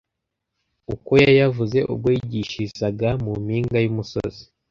uko yayavuze ubwo yigishirizaga mu mpinga y’umusozi